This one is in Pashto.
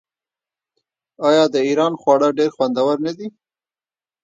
آیا د ایران خواړه ډیر خوندور نه دي؟